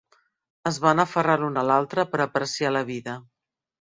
Es van aferrar l'un a l'altre per apreciar la vida